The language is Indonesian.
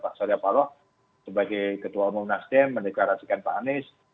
pak surya paloh sebagai ketua umum nasdem mendeklarasikan pak anies